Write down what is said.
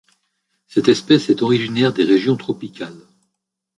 Cette espèce est originaire des régions tropicales.